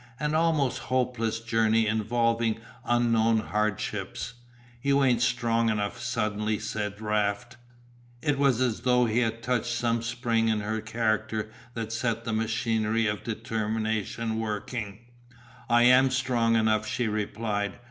An almost hopeless journey involving unknown hardships. "You ain't strong enough," suddenly said Raft. It was as though he had touched some spring in her character that set the machinery of determination working. "I am strong enough," she replied.